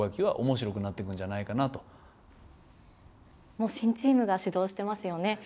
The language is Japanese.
もう新チームが始動してますよね。